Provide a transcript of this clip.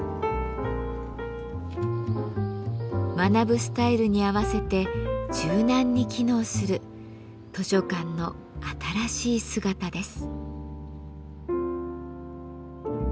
学ぶスタイルに合わせて柔軟に機能する図書館の新しい姿です。